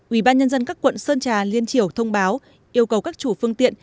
ubnd các quận sơn trà liên triều thông báo yêu cầu các chủ phương tiện